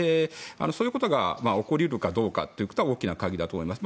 そういうことが起こり得るかどうかということが大きな鍵だと思います。